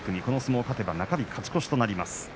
この相撲を勝てば中日勝ち越しとなります。